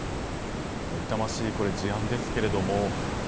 痛ましい事案ですけれども。